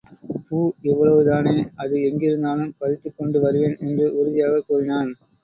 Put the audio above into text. பூ இவ்வளவுதானே அது எங்கிருந்தாலும் பறித்துக் கொண்டு வருவேன் என்று உறுதியாகக் கூறினான்.